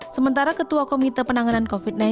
sementara ketua komite penanganan covid sembilan belas